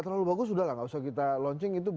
terlalu bagus sudah lah nggak usah kita launching itu